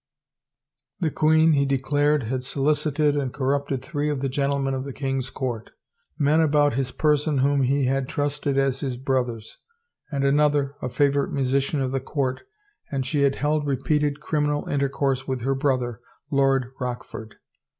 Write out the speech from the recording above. The queen, he declared, had solicited and corrupted three of the gentlemen of the king's court, men about his person whom he had trusted as his brothers, and an other, a favorite musician of the court, and she had held repeated criminal intercourse with her brother. Lord Rochford.